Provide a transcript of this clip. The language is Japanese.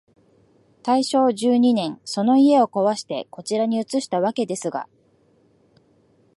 大正十二年、その家をこわして、こちらに移したわけですが、